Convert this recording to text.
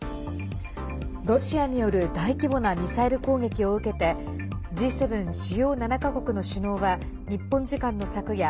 ロシアによる大規模なミサイル攻撃を受けてＧ７＝主要７か国の首脳は日本時間の昨夜